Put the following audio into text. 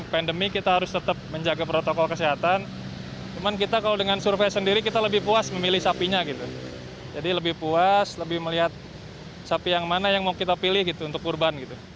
pandemi kita harus tetap menjaga protokol kesehatan cuman kita kalau dengan survei sendiri kita lebih puas memilih sapinya gitu jadi lebih puas lebih melihat sapi yang mana yang mau kita pilih gitu untuk kurban